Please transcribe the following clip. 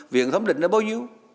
viện thống định là bao nhiêu